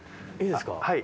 はい。